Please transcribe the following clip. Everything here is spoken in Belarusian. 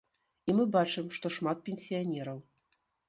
І мы бачым, што шмат пенсіянераў.